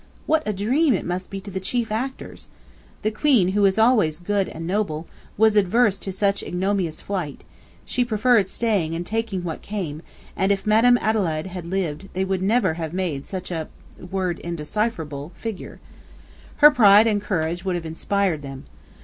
What a dream it must be to the chief actors! The Queen, who is always good and noble, was averse to such ignominious flight; she preferred staying and taking what came, and if Madam Adelaide had lived, they would never have made such a [word undecipherable] figure. Her pride and courage would have inspired them.